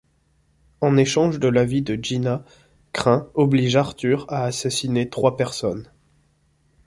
En échange de la vie de Gina, Crain oblige Arthur à assassiner trois personnes.